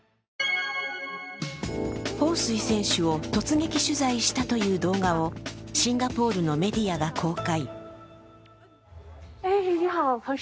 彭帥選手を突撃取材したという動画をシンガポールのメディアが公開。